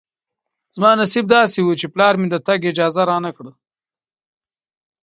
زما نصیب داسې و چې پلار مې د تګ اجازه رانه کړه.